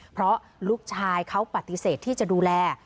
เพราะลูกชายเขาปฏิเสธที่จะดูแล